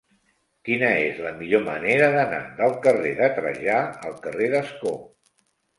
Quina és la millor manera d'anar del carrer de Trajà al carrer d'Ascó?